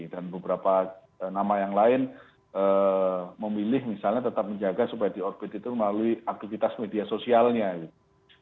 dan beberapa nama yang lain memilih misalnya tetap menjaga supaya di orbit itu melalui aktivitas media sosialnya gitu